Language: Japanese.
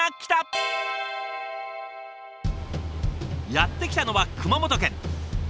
やって来たのは熊本県。